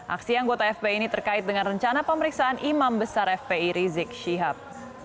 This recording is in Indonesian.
aksi anggota fpi ini terkait dengan rencana pemeriksaan imam besar fpi rizik syihab